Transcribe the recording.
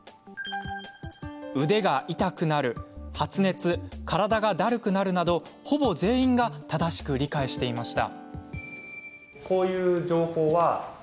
腕が痛くなる、発熱体がだるくなるなど、ほぼ全員が正しく理解していました。